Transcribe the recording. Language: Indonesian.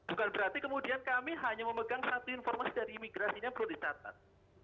bukan berarti kemudian kami hanya memegang satu informasi dari imigrasinya perlu dicatat